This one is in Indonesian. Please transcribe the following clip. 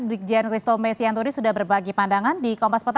dikjen kristome sianturi sudah berbagi pandangan di kompas petunia